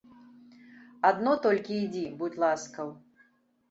Адно толькі ідзі, будзь ласкаў.